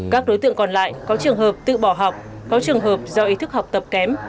các đối tượng còn lại có trường hợp tự bỏ học có trường hợp do ý thức học tập kém